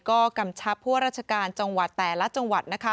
ก็กำชับผู้ว่าราชการจังหวัดแต่ละจังหวัดนะคะ